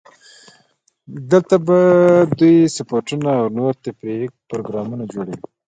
دلته به دوی سپورتونه او نور تفریحي پروګرامونه جوړول.